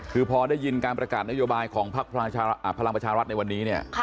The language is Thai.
คือพอได้ยินการประกาศนโยบายของพักพลังประชารัฐในวันนี้เนี่ย